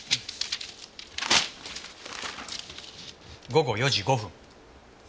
午後４時５分。